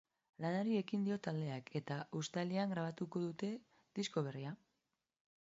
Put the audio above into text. Lanari ekin dio taldeak eta uztailean grabatuko dute disko berria.